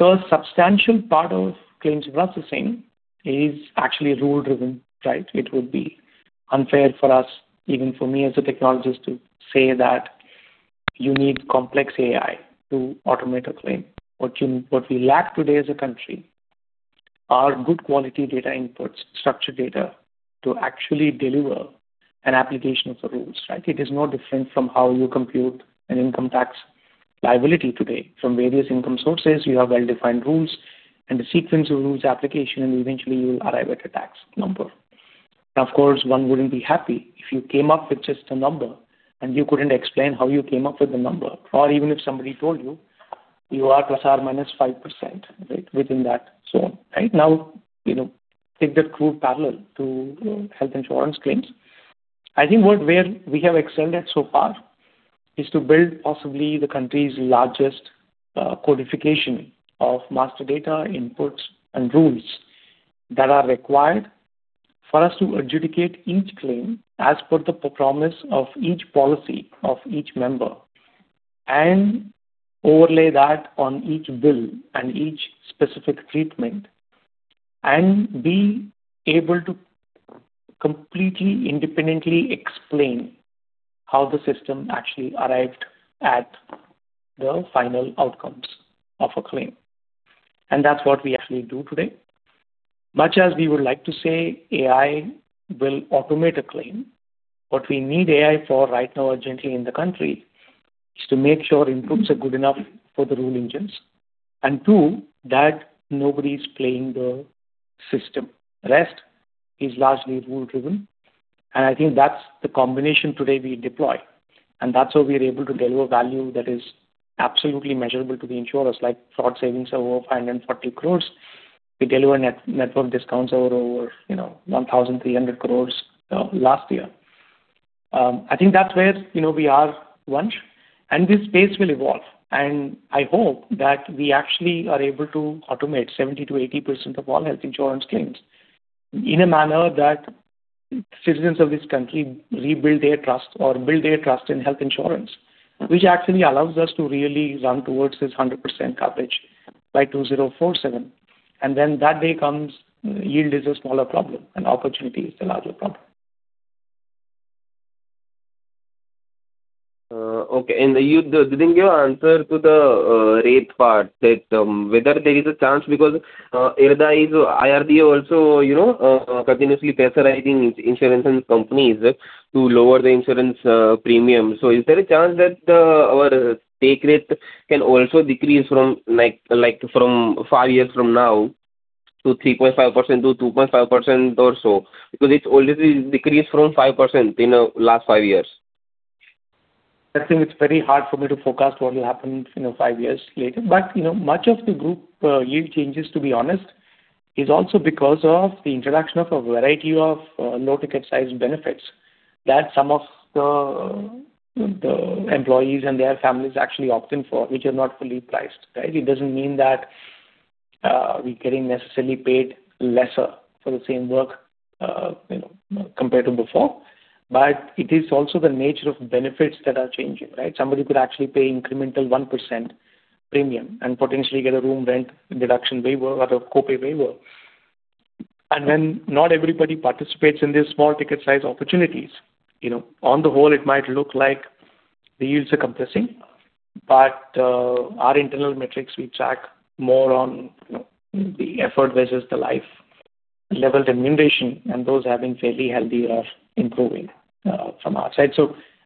A substantial part of claims processing is actually rule-driven, right? It would be unfair for us, even for me as a technologist, to say that you need complex AI to automate a claim. What we lack today as a country are good quality data inputs, structured data to actually deliver an application of the rules, right? It is no different from how you compute an income tax liability today. From various income sources, you have well-defined rules and the sequence of rules application, and eventually you'll arrive at a tax number. Of course, one wouldn't be happy if you came up with just a number and you couldn't explain how you came up with the number or even if somebody told you are ±5%, right, within that zone. Right? You know, take that crude parallel to, you know, health insurance claims. I think where we have excelled at so far is to build possibly the country's largest codification of master data inputs and rules that are required for us to adjudicate each claim as per the promise of each policy of each member and overlay that on each bill and each specific treatment, and be able to completely independently explain how the system actually arrived at the final outcomes of a claim. That's what we actually do today. Much as we would like to say AI will automate a claim, what we need AI for right now urgently in the country is to make sure inputs are good enough for the rule engines, and two, that nobody's playing the system. The rest is largely rule-driven. I think that's the combination today we deploy, and that's how we are able to deliver value that is absolutely measurable to the insurers, like fraud savings of over 540 crores. We deliver net-network discounts of over, you know, 1,300 crores last year. I think that's where, you know, we are, Vansh. This space will evolve. I hope that we actually are able to automate 70%-80% of all health insurance claims in a manner that citizens of this country rebuild their trust or build their trust in health insurance, which actually allows us to really run towards this 100% coverage by 2047. When that day comes, yield is a smaller problem and opportunity is the larger problem. Okay. You didn't give answer to the rate part that whether there is a chance because IRDAI also, you know, continuously pressurizing insurance companies to lower the insurance premium. Is there a chance that our take rate can also decrease from like from five years from now to 3.5%-2.5% or so? Because it's already decreased from 5% in last five years. I think it's very hard for me to forecast what will happen, you know, five years later. You know, much of the group yield changes, to be honest, is also because of the introduction of a variety of low-ticket size benefits that some of the employees and their families actually opt in for, which are not fully priced, right? It doesn't mean that we're getting necessarily paid lesser for the same work, you know, compared to before. It is also the nature of benefits that are changing, right? Somebody could actually pay incremental 1% premium and potentially get a room rent deduction waiver or a copay waiver. Not everybody participates in these small ticket size opportunities. You know, on the whole, it might look like the yields are compressing. Our internal metrics we track more on, you know, the effort versus the life level remuneration, and those have been fairly healthy or improving from our side.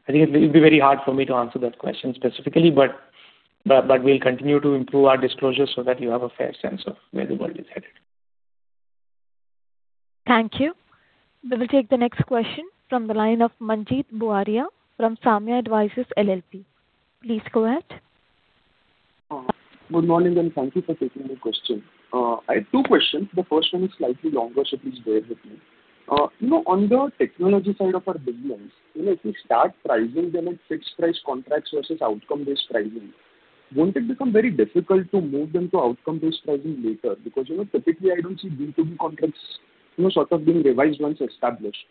I think it'd be very hard for me to answer that question specifically, but we'll continue to improve our disclosure so that you have a fair sense of where the world is headed. Thank you. We will take the next question from the line of Manjeet Buaria from Saamya Advisors LLP. Please go ahead. Good morning, and thank you for taking my question. I have two questions. The first one is slightly longer, so please bear with me. You know, on the technology side of our business, you know, if we start pricing them at fixed price contracts versus outcome-based pricing, won't it become very difficult to move them to outcome-based pricing later? Because, you know, typically I don't see B2B contracts, you know, sort of being revised once established.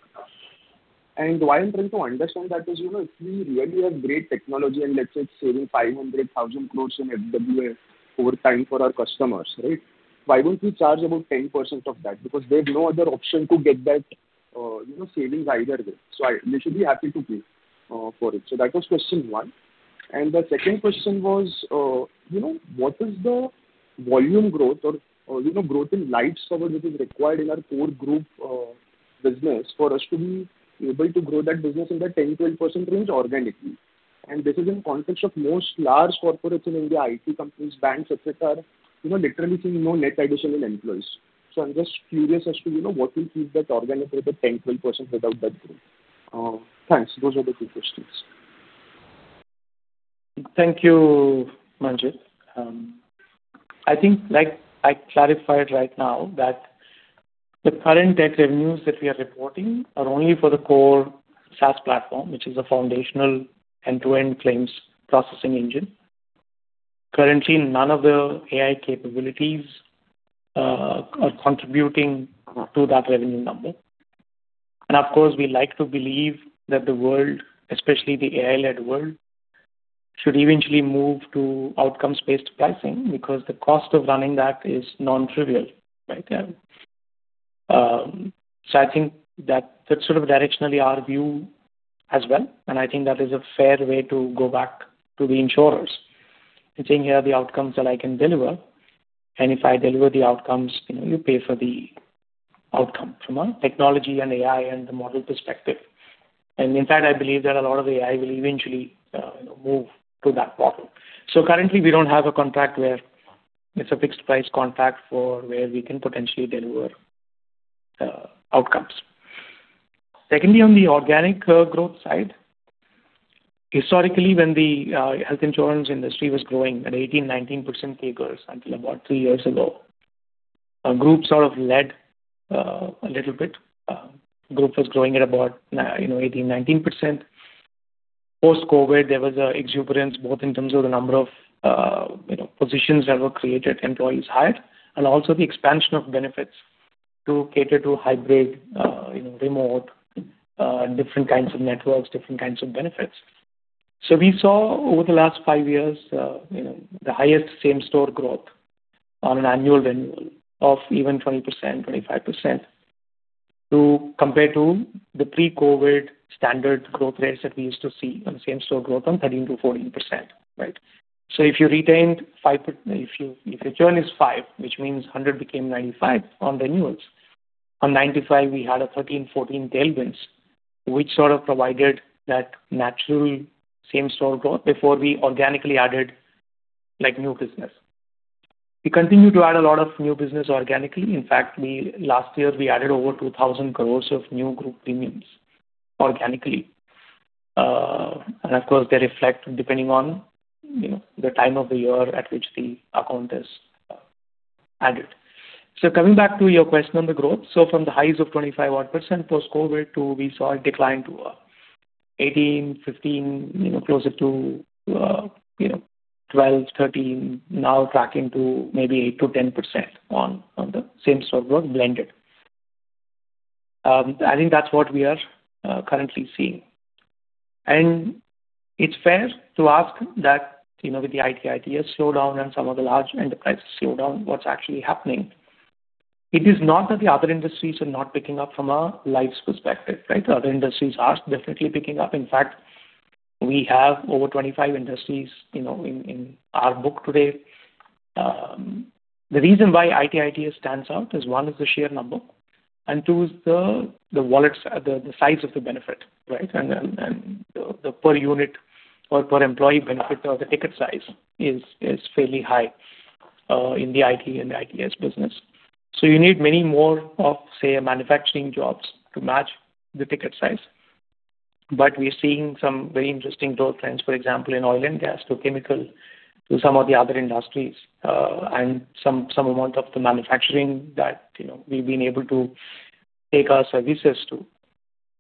Why I'm trying to understand that is, you know, if we really have great technology and let's say it's saving 500,000 crore in FWA over time for our customers, right? Why don't we charge about 10% of that? Because they have no other option to get that, you know, savings either way. So they should be happy to pay for it. That was question one. The second question was, you know, what is the volume growth or, you know, growth in lights cover that is required in our core group business for us to be able to grow that business in the 10%-12% range organically. This is in context of most large corporates in India, IT companies, banks, etc, you know, literally seeing no net addition in employees. I'm just curious as to, you know, what will keep that organic rate at 10%-12% without that group. Thanks. Those are the two questions. Thank you, Manjeet. I think, like I clarified right now, that the current tech revenues that we are reporting are only for the core SaaS platform, which is a foundational end-to-end claims processing engine. Currently, none of the AI capabilities are contributing to that revenue number. Of course, we like to believe that the world, especially the AI-led world, should eventually move to outcomes-based pricing because the cost of running that is non-trivial, right? I think that that's sort of directionally our view as well. I think that is a fair way to go back to the insurers and saying, "Here are the outcomes that I can deliver. If I deliver the outcomes, you know, you pay for the outcome from a technology and AI and the model perspective. In fact, I believe that a lot of AI will eventually, you know, move to that model. Currently, we don't have a contract where it's a fixed price contract for where we can potentially deliver outcomes. Secondly, on the organic growth side, historically, when the health insurance industry was growing at 18%, 19% CAGRs until about three years ago, our group sort of led a little bit. Group was growing at about you know, 18%, 19%. Post-COVID, there was a exuberance both in terms of the number of, you know, positions that were created, employees hired, and also the expansion of benefits to cater to hybrid, you know, remote, different kinds of networks, different kinds of benefits. We saw over the last five years, you know, the highest same-store growth on an annual renewal of even 20%, 25% compared to the pre-COVID standard growth rates that we used to see on same-store growth on 13%-14%, right? If you retained five, if your churn is five, which means 100 became 95 on renewals. On 95, we had a 13, 14 tailwinds, which sort of provided that natural same-store growth before we organically added, like, new business. We continue to add a lot of new business organically. In fact, last year we added over 2,000 crores of new group premiums organically. Of course, they reflect depending on, you know, the time of the year at which the account is added. Coming back to your question on the growth. From the highs of 25% odd post-COVID to we saw a decline to 18%, 15%, you know, closer to 12%, 13% now tracking to maybe 8%-10% on the same-store growth blended. I think that's what we are currently seeing. It's fair to ask that, you know, with the IT/ITS slowdown and some of the large enterprises slowdown, what's actually happening. It is not that the other industries are not picking up from a lines perspective, right? Other industries are definitely picking up. In fact, we have over 25 industries, you know, in our book today. The reason why IT/ITS stands out is, one, is the sheer number, and two is the wallets, the size of the benefit, right? The per unit or per employee benefit or the ticket size is fairly high in the IT and the ITS business. You need many more of, say, manufacturing jobs to match the ticket size. We're seeing some very interesting growth trends, for example, in oil and gas to chemical to some of the other industries, and some amount of the manufacturing that, you know, we've been able to take our services to,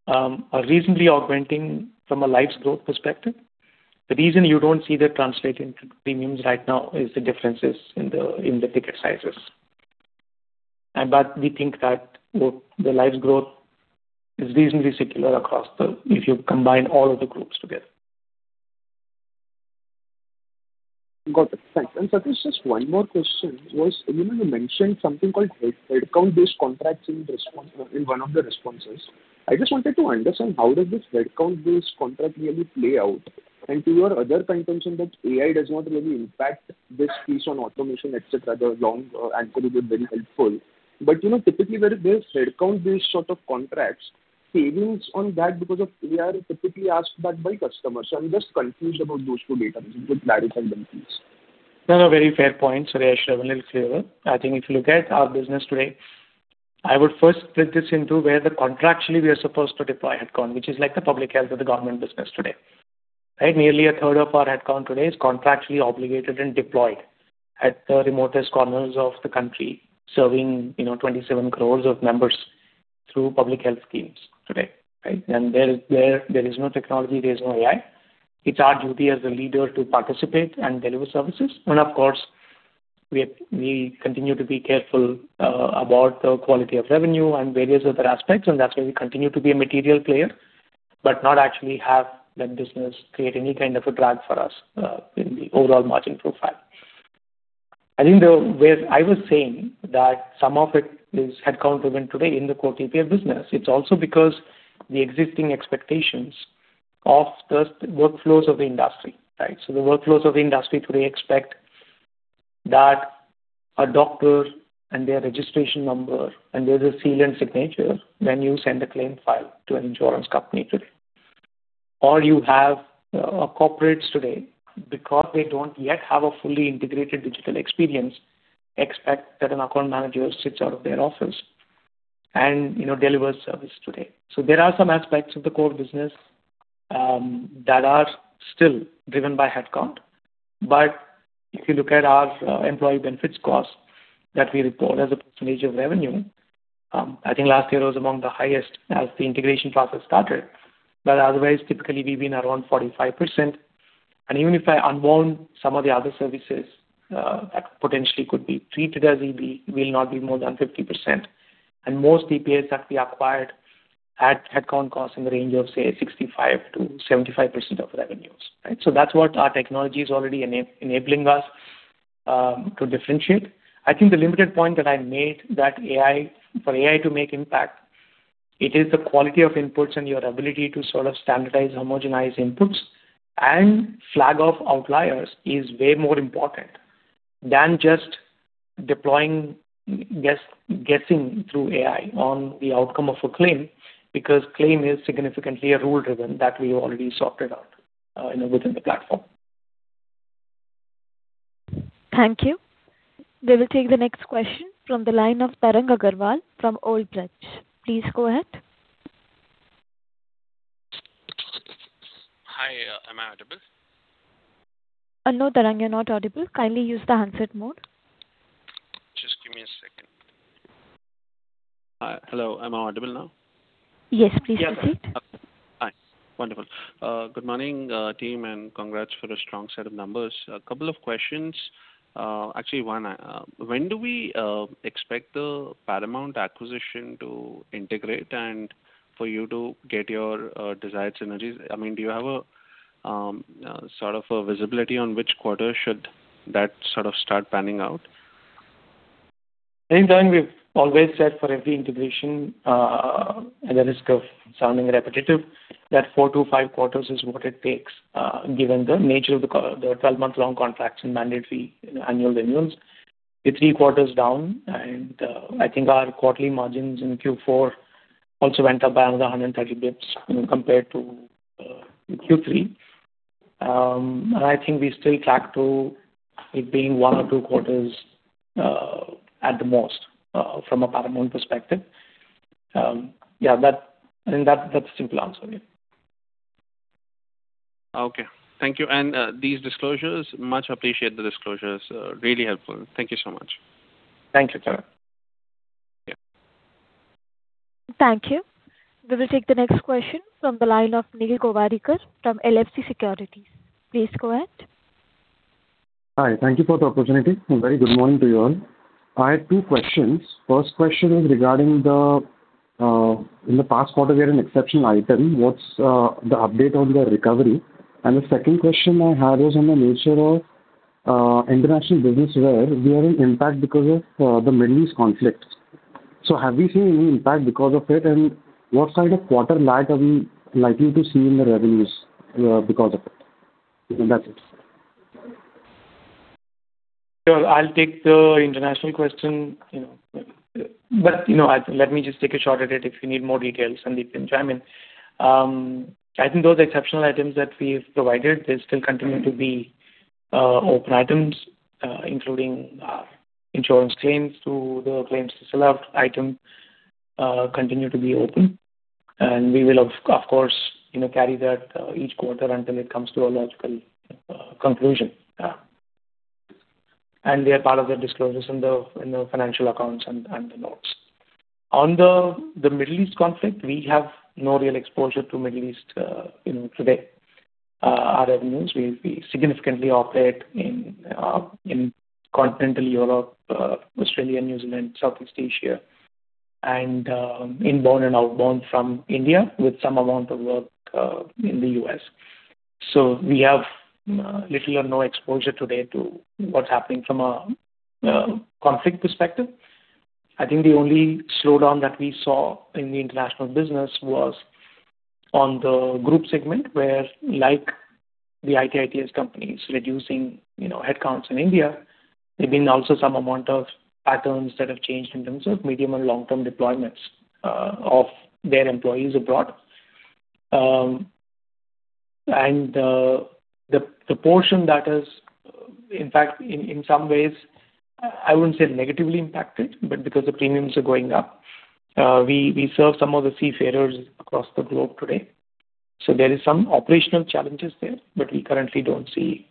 are reasonably augmenting from a life's growth perspective. The reason you don't see that translate into premiums right now is the differences in the ticket sizes. We think that the life's growth is reasonably secular if you combine all of the groups together. Got it. Thanks. Satish, just one more question was, you know, you mentioned something called headcount-based contracts in one of the responses. I just wanted to understand how does this headcount-based contract really play out? To your other contention that AI does not really impact this piece on automation, etc. The long answer you gave very helpful. You know, typically where there's headcount-based sort of contracts, savings on that because of AI are typically asked that by customers. I'm just confused about those two data points. Could you clarify them, please? No, no, very fair point. [inaudible] I will be a little clearer. I think if you look at our business today, I would first split this into where the contractually we are supposed to deploy headcount, which is like the public health or the government business today, right? Nearly a third of our headcount today is contractually obligated and deployed at the remotest corners of the country, serving, you know, 27 crores of members through public health schemes today, right? There is no technology, there is no AI. It's our duty as a leader to participate and deliver services. Of course, we continue to be careful about the quality of revenue and various other aspects, and that's why we continue to be a material player, but not actually have that business create any kind of a drag for us in the overall margin profile. I think where I was saying that some of it is headcount-driven today in the core TPA business, it's also because the existing expectations of the workflows of the industry, right? The workflows of the industry today expect that a doctor and their registration number and there's a seal and signature when you send a claim file to an insurance company today. You have corporates today, because they don't yet have a fully integrated digital experience, expect that an account manager sits out of their office and, you know, delivers service today. There are some aspects of the core business that are still driven by headcount. If you look at our employee benefits cost that we report as a percentage of revenue, I think last year was among the highest as the integration process started. Otherwise, typically we've been around 45%. Even if I unwound some of the other services that potentially could be treated as EB, will not be more than 50%. Most TPAs that we acquired had headcount costs in the range of, say, 65%-75% of revenues, right? That's what our technology is already enabling us to differentiate. I think the limited point that I made that AI for AI to make impact, it is the quality of inputs and your ability to sort of standardize, homogenize inputs and flag off outliers is way more important than just deploying guessing through AI on the outcome of a claim, because claim is significantly a rule-driven that we already sorted out, you know, within the platform. Thank you. We will take the next question from the line of Tarang Agrawal from Old Bridge. Please go ahead. Hi, am I audible? No, Tarang, you're not audible. Kindly use the handset mode. Just give me a second. Hi. Hello. Am I audible now? Yes, please proceed. Yes. Hi. Wonderful. Good morning, team, and congrats for a strong set of numbers. A couple of questions. Actually one. When do we expect the Paramount acquisition to integrate and for you to get your desired synergies? I mean, do you have a sort of a visibility on which quarter should that sort of start panning out? Tarang, we've always said for every integration, at the risk of sounding repetitive, that four to five quarters is what it takes, given the nature of the 12-month-long contracts and mandatory annual renewals. We're three quarters down, I think our quarterly margins in Q4 also went up by another 130 bps, you know, compared to Q3. I think we still track to it being one or two quarters, at the most, from a Paramount perspective. Yeah, I think that's the simple answer, yeah. Okay. Thank you. These disclosures, much appreciate the disclosures. Really helpful. Thank you so much. Thank you, Tarang. Yeah. Thank you. We will take the next question from the line of Neel Gowariker from LFC Securities. Please go ahead. Hi. Thank you for the opportunity. A very good morning to you all. I have two questions. First question is regarding the in the past quarter, we had an exceptional item. What's the update on the recovery? The second question I have is on the nature of international business, where we are in impact because of the Middle East conflict. Have we seen any impact because of it? What kind of quarter lag are we likely to see in the revenues because of it? That's it. Sure. I'll take the international question, you know. You know, let me just take a shot at it. If you need more details, Sandeep can chime in. I think those exceptional items that we've provided, they still continue to be open items, including insurance claims to the claims to sell out item, continue to be open. We will of course, you know, carry that each quarter until it comes to a logical conclusion. They are part of the disclosures in the financial accounts and the notes. On the Middle East conflict, we have no real exposure to Middle East, you know, today. Our revenues, we significantly operate in continental Europe, Australia, New Zealand, Southeast Asia, and inbound and outbound from India with some amount of work in the U.S. We have little or no exposure today to what's happening from a conflict perspective. I think the only slowdown that we saw in the international business was on the group segment, where like the IT companies reducing, you know, headcounts in India, there have been also some amount of patterns that have changed in terms of medium and long-term deployments of their employees abroad. And the portion that is, in fact, in some ways, I wouldn't say negatively impacted, but because the premiums are going up. We serve some of the seafarers across the globe today. There is some operational challenges there, but we currently don't see,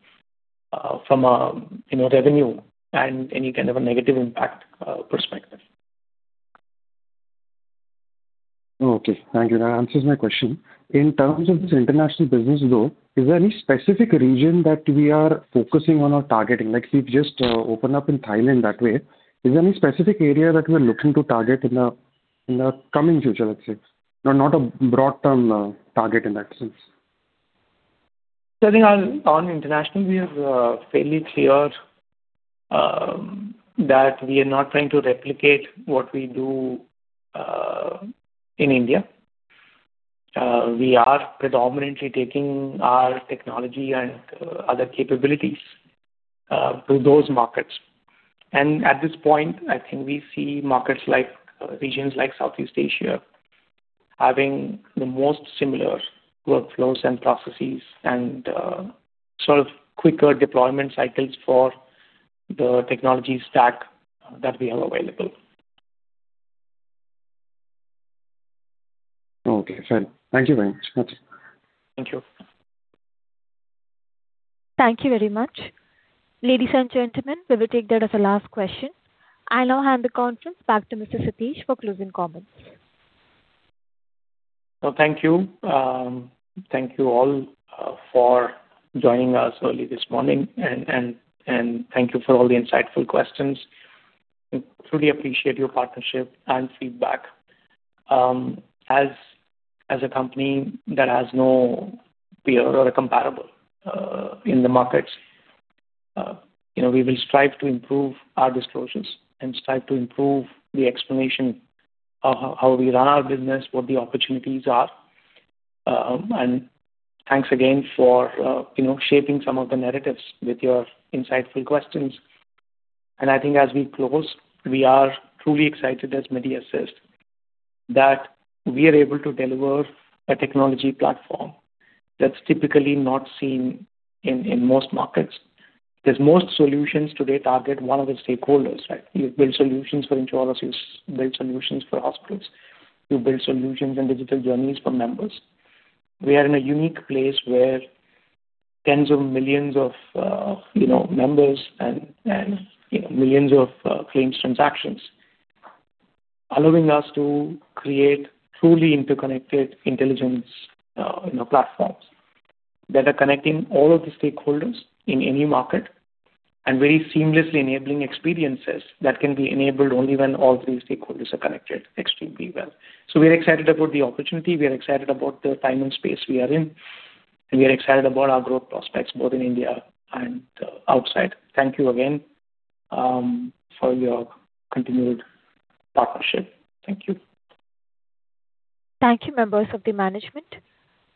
from a, you know, revenue and any kind of a negative impact, perspective. Okay. Thank you. That answers my question. In terms of this international business, though, is there any specific region that we are focusing on or targeting? Like, we've just opened up in Thailand that way. Is there any specific area that we're looking to target in the, in the coming future, let's say? Not a broad term target in that sense. I think on international, we are fairly clear that we are not trying to replicate what we do in India. We are predominantly taking our technology and other capabilities to those markets. At this point, I think we see markets like regions like Southeast Asia having the most similar workflows and processes and sort of quicker deployment cycles for the technology stack that we have available. Okay. Fair enough. Thank you very much. That's it. Thank you. Thank you very much. Ladies and gentlemen, we will take that as the last question. I now hand the conference back to Mr. Satish for closing comments. Thank you. Thank you all for joining us early this morning and thank you for all the insightful questions. Truly appreciate your partnership and feedback. As a company that has no peer or a comparable in the markets, you know, we will strive to improve our disclosures and strive to improve the explanation of how we run our business, what the opportunities are. Thanks again for, you know, shaping some of the narratives with your insightful questions. I think as we close, we are truly excited as Medi Assist that we are able to deliver a technology platform that's typically not seen in most markets. 'Cause most solutions today target one of the stakeholders, right? You build solutions for insurances, build solutions for hospitals. You build solutions and digital journeys for members. We are in a unique place where tens of millions of, you know, members and, you know, millions of claims transactions, allowing us to create truly interconnected intelligence, you know, platforms that are connecting all of the stakeholders in any market and very seamlessly enabling experiences that can be enabled only when all three stakeholders are connected extremely well. We are excited about the opportunity. We are excited about the time and space we are in, and we are excited about our growth prospects both in India and outside. Thank you again for your continued partnership. Thank you. Thank you, members of the management.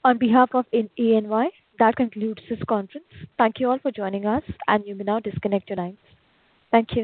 On behalf of EY, that concludes this conference. Thank you all for joining us, and you may now disconnect your lines. Thank you.